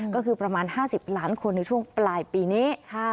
ก็คือประมาณ๕๐ล้านคนในช่วงปลายปีนี้